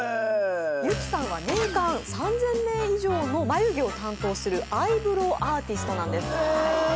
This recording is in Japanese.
ゆきさんは年間３０００名以上の眉毛を担当するアイブローアーティストなんですええ